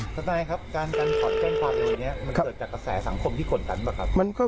ทนายครับจากการถอนแจ้งความอื่นมันเกิดจากกระแสสังคมที่คนกันหรือเปล่าครับ